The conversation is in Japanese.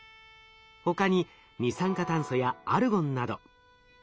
他に二酸化炭素やアルゴンなど。